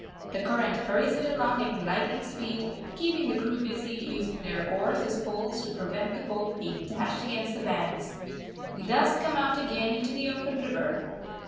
The current hurries it along at lightning speed, keeping the crew busy using their oars as poles to prevent the boat being dashed against the banks. We thus come out again into the open river.